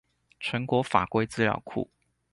全國法規資料庫